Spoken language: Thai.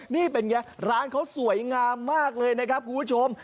นี่เป็นไงร้านเขาสวยงามมากเลยนะครับคุณผู้ชม